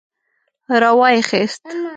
را وايي خيست.